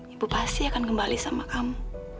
ibu pasti akan kembali sama kamu